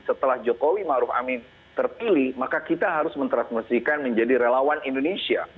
setelah jokowi maruf amin terpilih maka kita harus mentransmisikan menjadi relawan indonesia